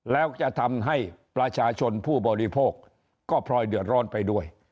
แล้วจะทำให้ประชาชนผู้บริโภคก็พลอยเดือดร้อนไปด้วย